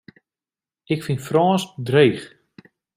Ik fyn Frânsk dreech.